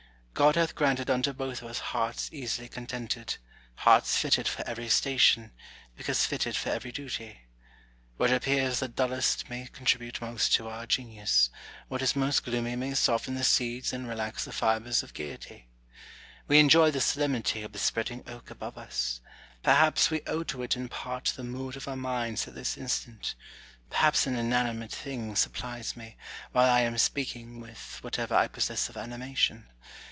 God hath granted unto both of us hearts easily contented, hearts fitted for every station, because fitted for every duty. ^Vhat appears the dullest may contribute most to our genius ; what is most gloomy may soften the seeds and relax the fibres of gaiety. We enjoy the solemnity of the spreading oak above us : perhaps we owe to it in part the mood of our minds at this instant ; perhaps an iiianiniato 1 6o IMA GIN A R Y CONVERSA TIONS. thing supplies me, while I am speaking, with whatever I possess of animation.